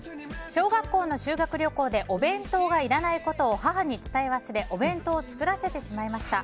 小学校の修学旅行でお弁当がいらないことを母に伝え忘れお弁当を作らせてしまいました。